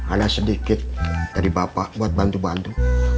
ada sedikit dari bapak buat bantu bantu